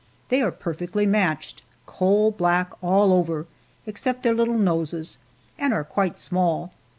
They are perfectly matched coal black all over, except their little noses, and are quite small.